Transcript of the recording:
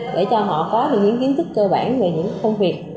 để cho họ có được những kiến thức cơ bản về những công việc